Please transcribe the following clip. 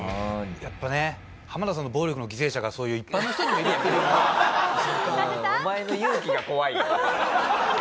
やっぱね浜田さんの暴力の犠牲者がそういう一般の人にもいくっていうのは。